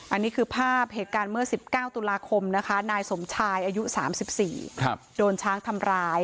อันนี้คือภาพเหตุการณ์เมื่อ๑๙ตุลาคมนะคะนายสมชายอายุ๓๔โดนช้างทำร้าย